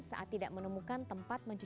saat tidak menemukan tempat menjual